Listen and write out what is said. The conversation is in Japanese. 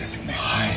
はい。